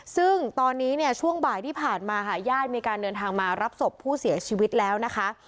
ซึ่งตอนนี้เนี่ยช่วงบ่ายที่ผ่านมาค่ะญาติมีการเดินทางมารับศพผู้เสียชีวิตแล้วนะคะ